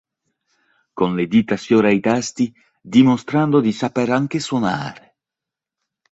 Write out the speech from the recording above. Con le dita sfiora i tasti, dimostrando di saper anche suonare.